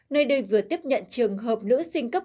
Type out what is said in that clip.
nơi đây vừa tiếp nhận trường hợp nữ sinh cấp